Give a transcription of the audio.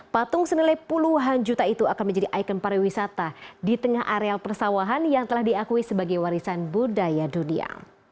patung senilai puluhan juta itu akan menjadi ikon pariwisata di tengah areal persawahan yang telah diakui sebagai warisan budaya dunia